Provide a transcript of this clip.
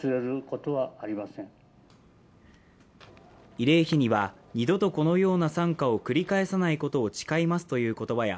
慰霊碑には、二度とこのような惨禍を繰り返さないことを誓いますという言葉や